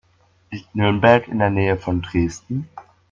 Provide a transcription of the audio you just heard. Liegt Nürnberg in der Nähe von Dresden?